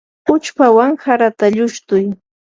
uchpawan harata llushtuy.